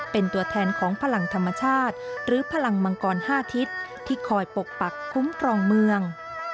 เป็นตัวแทนของพลังธรรมชาติหรือพลังมังกร๕ทิศที่คอยปกปักคุ้มครองเมือง